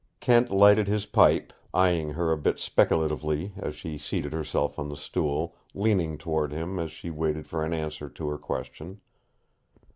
Kent lighted his pipe, eyeing her a bit speculatively as she seated herself on the stool, leaning toward him as she waited for an answer to her question.